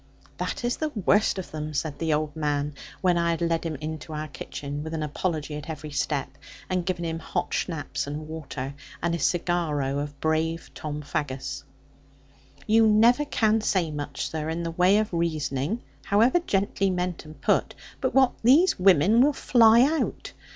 'That is the worst of them,' said the old man; when I had led him into our kitchen, with an apology at every step, and given him hot schnapps and water, and a cigarro of brave Tom Faggus: 'you never can say much, sir, in the way of reasoning (however gently meant and put) but what these women will fly out.